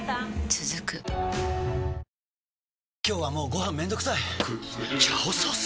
続く今日はもうご飯めんどくさい「炒ソース」！？